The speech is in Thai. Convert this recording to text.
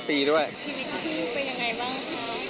พี่มีครับเป็นยังไงบ้างครับ